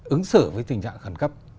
ứng sử với tình trạng khẩn cấp